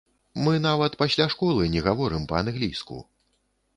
Мы нават пасля школы не гаворым па-англійску!